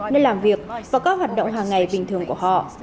nơi làm việc và các hoạt động hàng ngày bình thường của họ